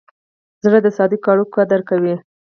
زړه د صادقو اړیکو قدر کوي.